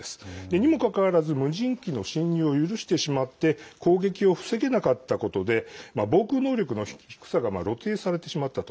にもかかわらず無人機の侵入を許してしまって攻撃を防げなかったことで防空能力の低さが露呈されてしまったと。